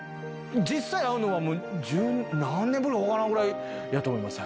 実際会うのは、もう、何年ぶりか分からんぐらいやと思います。